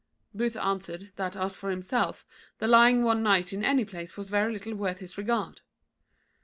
Booth answered, that as for himself, the lying one night in any place was very little worth his regard.